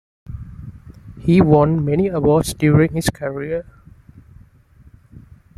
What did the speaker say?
He won many awards during his career.